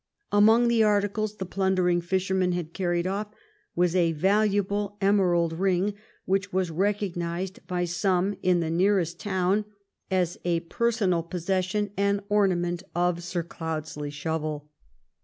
Among the articles the plimdering fishermen had carried off was a valu able emerald ring, which was recognized by some in the nearest town as a personal possession and orna ment of Sir Cloudesley Shovel.